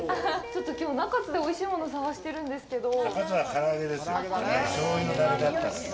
ちょっと、きょう中津でおいしいもの探してるんですけど。